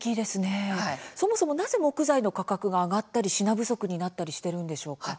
そもそも、なぜ木材の価格が上がったり、品不足になったりしているんでしょうか。